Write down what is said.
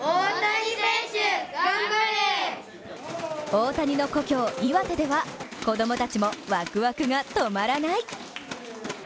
大谷の故郷・岩手では子供たちもワクワクが止まらない。